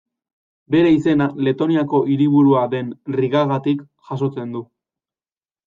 Bere izena Letoniako hiriburua den Rigagatik jasotzen du.